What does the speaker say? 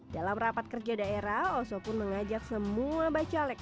dalam rapat kerja daerah oso pun mengajak semua bacalek